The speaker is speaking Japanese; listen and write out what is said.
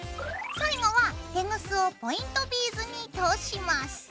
最後はテグスをポイントビーズに通します。